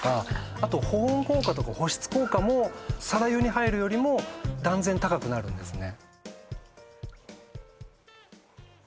あと保温効果とか保湿効果もさら湯に入るよりも断然高くなるんですね